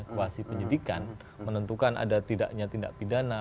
kuasi penyidikan menentukan ada tidaknya tindak pidana